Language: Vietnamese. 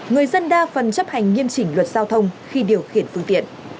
người dân đa phần chấp hành nghiêm chỉnh luật giao thông khi điều khiển phương tiện